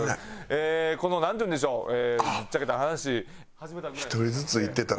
このなんていうんでしょうぶっちゃけた話。